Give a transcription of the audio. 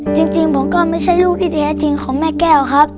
จริงผมก็ไม่ใช่ลูกที่แท้จริงของแม่แก้วครับ